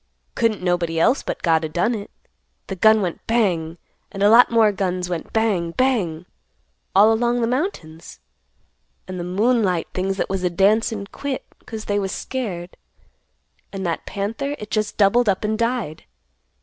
Couldn't nobody else but God o' done it. The gun went bang, and a lot more guns went bang, bang, all along the mountains. And the moonlight things that was a dancin' quit 'cause they was scared; and that panther it just doubled up and died.